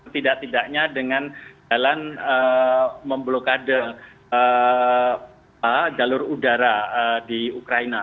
tidak tidaknya dengan jalan memblokade jalur udara di ukraina